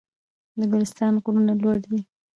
د ګلستان غرونه لوړ دي